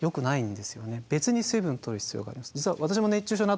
別に水分を取る必要があります。